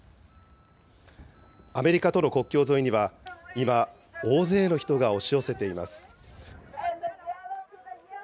アメリカとの国境沿いには今、大勢の人が押し寄せています。